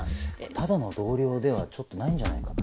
ただの同僚ではないんじゃないかと。